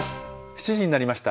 ７時になりました。